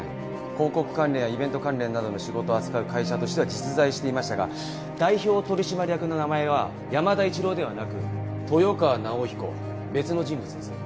広告関連やイベント関連などの仕事を扱う会社としては実在していましたが代表取締役の名前は山田一郎ではなく豊川直彦別の人物です。